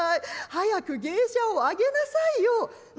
早く芸者を上げなさいよ」。